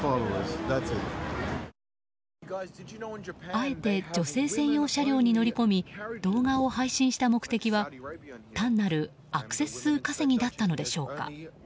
あえて女性専用車両に乗り込み動画を配信した目的は単なるアクセス数稼ぎだったのでしょうか。